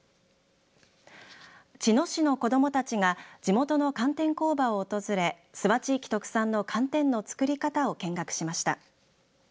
茅野市の子どもたちが地元の寒天工場を訪れ諏訪地域特産の寒天の作り方を見学しました。